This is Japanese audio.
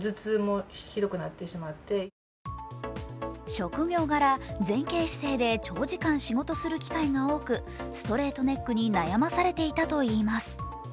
職業柄、前傾姿勢で長時間仕事がする機会が多く、ストレートネックに悩まされていたといいます。